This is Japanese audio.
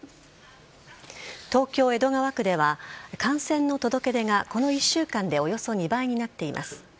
東京・江戸川区では感染の届け出がこの１週間でおよそ２倍になっています。